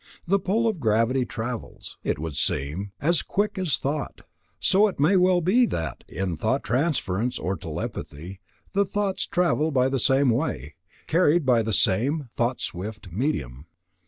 The pull of gravitation travels, it would seem "as quick as thought"; so it may well be that, in thought transference or telepathy, the thoughts travel by the same way, carried by the same "thought swift" medium.